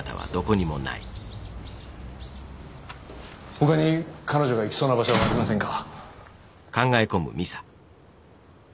ほかに彼女が行きそうな場所はありませんか？